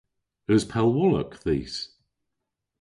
Eus pellwolok dhis?